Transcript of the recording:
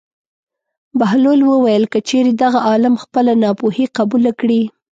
بهلول وویل: که چېرې دغه عالم خپله ناپوهي قبوله کړي.